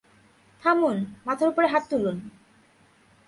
থামুন - মাথার উপরে হাত তুলুন।